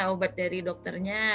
obat dari dokternya